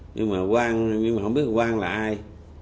nhưng mà quang không biết quang là ai